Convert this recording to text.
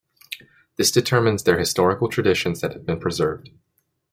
This determines their historical traditions that have been preserved.